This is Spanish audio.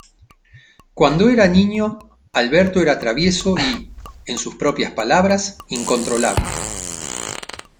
Cuando era niño, Alberto era travieso y, en sus propias palabras, incontrolable.